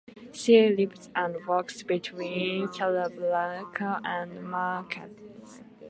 She lives and works between Casablanca and Marrakesh.